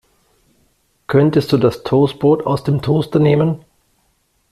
Könntest du das Toastbrot aus dem Toaster nehmen?